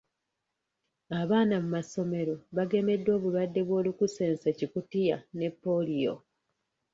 Abaana mu masomero bagemeddwa obulwadde bw'olukusense-Kikutiya ne ppooliyo